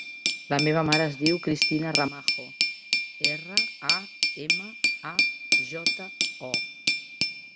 La meva mare es diu Cristina Ramajo: erra, a, ema, a, jota, o.